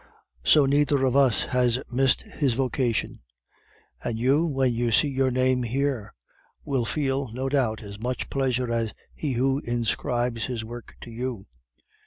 So neither of us has missed his vocation; and you, when you see your name here, will feel, no doubt, as much pleasure as he who inscribes his work to you.